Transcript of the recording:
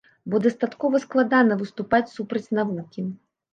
Бо дастаткова складана выступаць супраць навукі.